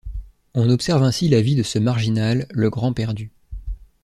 On observe ainsi la vie de ce marginal, le grand perdu.